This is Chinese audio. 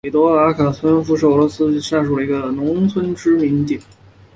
彼得罗夫卡农村居民点是俄罗斯联邦沃罗涅日州巴甫洛夫斯克区所属的一个农村居民点。